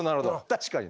確かにね。